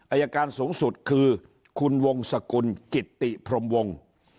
อายการสูงสุดคือคุณวงสกุลกิตติพรมวง